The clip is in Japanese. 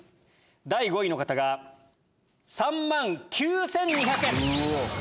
第５位の方が３万９２００円。